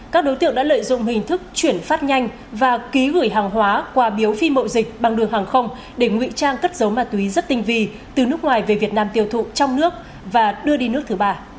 các đối tượng đã lợi dụng hình thức chuyển phát nhanh và ký gửi hàng hóa qua biếu phi mậu dịch bằng đường hàng không để ngụy trang cất dấu ma túy rất tinh vi từ nước ngoài về việt nam tiêu thụ trong nước và đưa đi nước thứ ba